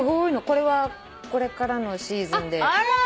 これはこれからのシーズンでこいのぼり。